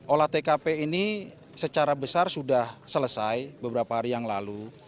olah tkp ini secara besar sudah selesai beberapa hari yang lalu